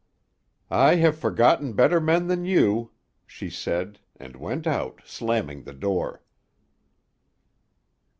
"I have forgotten better men than you," she said and went out, slamming the door.